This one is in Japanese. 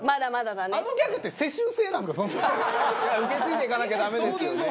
受け継いでいかなきゃダメですよね。